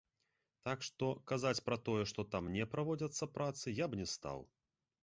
Так што, казаць пра тое, што там не праводзяцца працы, я б не стаў.